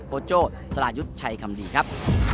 โจ้สรายุทธ์ชัยคำดีครับ